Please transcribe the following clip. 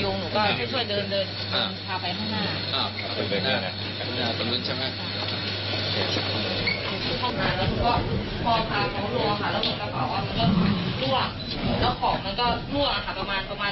ยังรถที่คุณผู้ชมเห็นในกล้องวงจรปิดไป